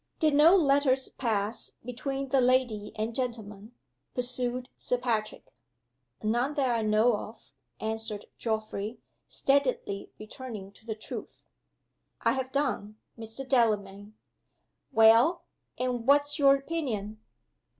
"Did no letters pass between the lady and gentleman?" pursued Sir Patrick. "None that I know of," answered Geoffrey, steadily returning to the truth. "I have done, Mr. Delamayn." "Well? and what's your opinion?"